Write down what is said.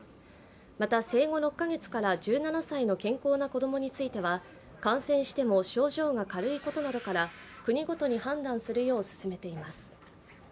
また、生後６か月から１７歳の健康な子供については感染しても症状が軽いことなどから国ごとに判断するよう勧めています。